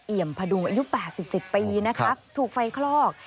เอี่ยมพดุงอายุ๘๗ปีนะคะถูกไฟคลอก